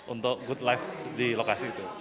untuk good life di lokasi itu